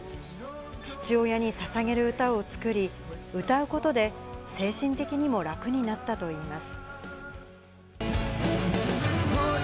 父親にささげる歌を作り、歌うことで精神的にも楽になったといいます。